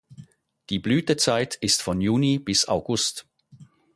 Die Blütezeit ist von Juni bis August.